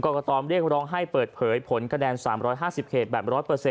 กตเรียกร้องให้เปิดเผยผลคะแนน๓๕๐เขตแบบ๑๐๐